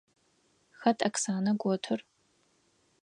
Хэт Оксанэ готыр?